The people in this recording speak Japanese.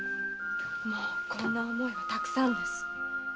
もうこんな思いはたくさんです。